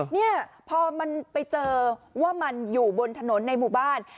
เนี่ยพอมันไปเจอว่ามันอยู่บนถนนในหมู่บ้าน